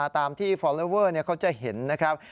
ตามที่ฟอลเลอร์เวอร์เขาจะเห็นนะครับ